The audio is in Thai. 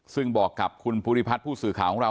ซึ่งบอกกับคุณภูริพัฒน์ผู้สื่อข่าวของเรา